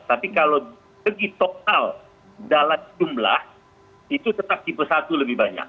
tapi kalau segi total dalam jumlah itu tetap tipe satu lebih banyak